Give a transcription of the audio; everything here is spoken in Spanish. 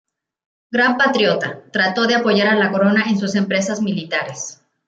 Gran patriota, trató de apoyar a la Corona en sus empresas militares.